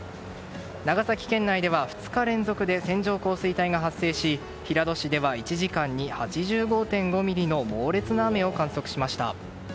長崎県内では２日連続で線状降水帯が発生し平戸市では１時間に８５．５ミリの猛烈な雨を観測しました。